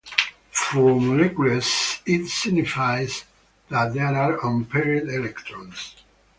For molecules it signifies that there are unpaired electrons.